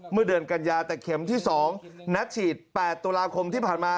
เมื่อเดือนกัญญาแต่เข็มที่๒นัดฉีด๘ตุลาคมที่ผ่านมา